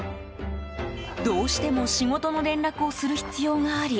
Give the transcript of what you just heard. どうしても仕事の連絡をする必要があり